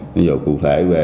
ví dụ cụ thể về